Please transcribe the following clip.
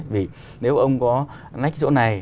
vì nếu ông có lách chỗ này